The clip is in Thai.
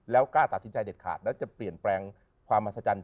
แล้วกล้าตัดสินใจเด็ดขาดแล้วจะเปลี่ยนแปลงความมหัศจรรย